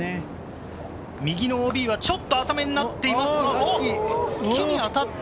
右のＯＢはちょっと浅めになっていますが、木に当たって。